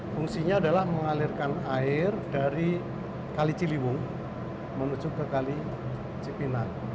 fungsinya adalah mengalirkan air dari kali ciliwung menuju ke kali cipinang